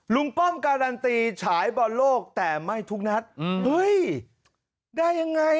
ป้อมการันตีฉายบอลโลกแต่ไม่ทุกนัดเฮ้ยได้ยังไง